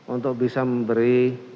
untuk bisa memberi